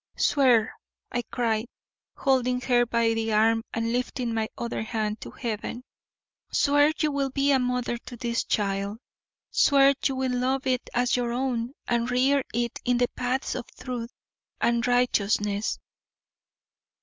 "Swear," I cried, holding her by the arm and lifting my other hand to heaven, "swear you will be a mother to this child! Swear you will love it as your own and rear it in the paths of truth and righteousness!"